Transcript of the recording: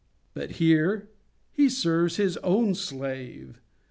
But here he serves his own slave.